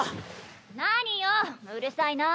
・何ようるさいなぁ。